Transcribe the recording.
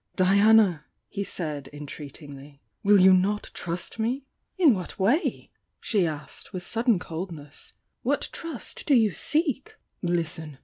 "Diana!" he said, entreatingly— "Will you not trust me?" "In what way?" she asked, with sudden cold ness — "What trust do you seek?" "Listen!"